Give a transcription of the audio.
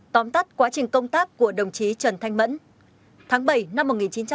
tóm tắt quá trình công tác của đồng chí trần thanh mẫn tháng bảy năm một nghìn chín trăm bảy mươi